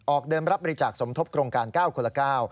ออกเดินรับบริจาคสมทบกลงการ๙คนละ๙